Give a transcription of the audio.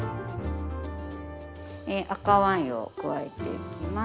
赤ワインを加えていきます。